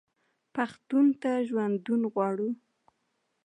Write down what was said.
پښتون ته ژوندون غواړو.